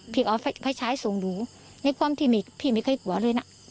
พี่ก็เอาไฟฉายส่งดูในความที่มีพี่ไม่เคยกลัวเลยน่ะ